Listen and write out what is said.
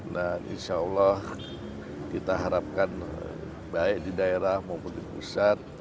nah insya allah kita harapkan baik di daerah maupun di pusat